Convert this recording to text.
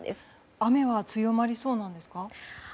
雨は強まりそうなんですか。